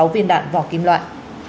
bốn mươi sáu viên đạn vỏ kim loại